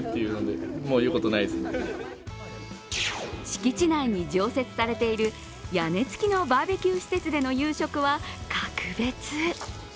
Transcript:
敷地内に常設されている屋根付きのバーベキュー施設での夕食は格別。